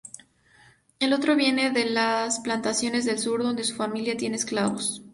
El otro viene de las plantaciones del sur, donde su familia tiene esclavos.